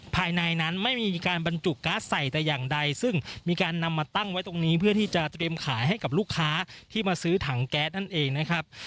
ภายในนั้นไม่มีการบรรจุก๊าซใส่แต่อย่างใดซึ่งมีการนำมาตั้งไว้ตรงนี้เพื่อที่จะเตรียมขายให้กับลูกค้าที่มาซื้อถังแก๊สนั่นเองนะครับ